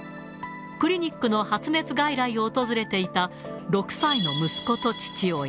クリニックの発熱外来を訪れていた、６歳の息子と父親。